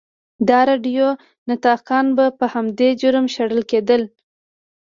د راډیو نطاقان به په همدې جرم شړل کېدل.